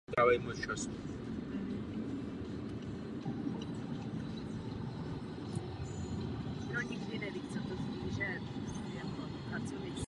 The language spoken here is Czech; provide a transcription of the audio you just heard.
Údaje o přesné nadmořské výšce jihozápadního vrcholu se u různých zdrojů liší.